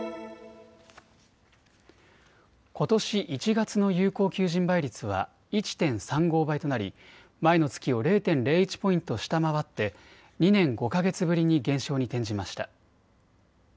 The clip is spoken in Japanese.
ことし１月の有効求人倍率は１．３５倍となり前の月を０．０１ポイント下回って２年５か月ぶりに減少に転じました。